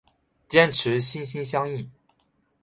坚持心心相印。